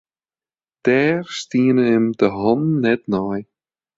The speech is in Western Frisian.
Dêr stienen him de hannen net nei.